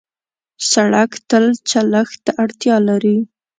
سړک تل چلښت ته اړتیا لري.